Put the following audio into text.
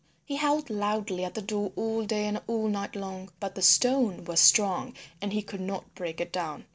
He howled loudly at the door all day and all night long, but the stone was strong and he could not break it down.